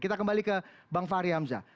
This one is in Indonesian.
kita kembali ke bang fahri hamzah